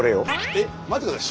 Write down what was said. えっ待って下さい。